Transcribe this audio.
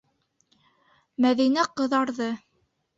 Мәҙинә ҡыҙарҙы.